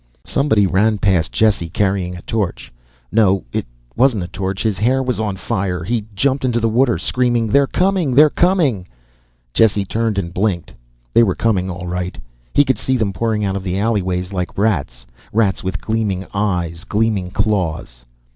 Somebody ran past Jesse, carrying a torch. No, it wasn't a torch his hair was on fire. He jumped into the water, screaming, "They're coming! They're coming!" Jesse turned and blinked. They were coming, all right. He could see them pouring out of the alleyway like rats. Rats with gleaming eyes, gleaming claws.